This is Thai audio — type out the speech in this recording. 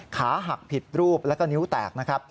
ขาหักผิดรูปแล้วก็นิ้วแตกนะครับ